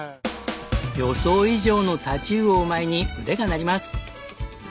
予想以上の太刀魚を前に腕が鳴ります。